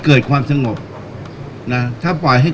การสำรรค์ของเจ้าชอบใช่